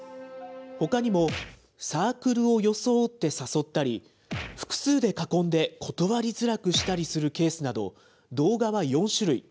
ほかにもサークルを装って誘ったり、複数で囲んで断りづらくしたりするケースなど、動画は４種類。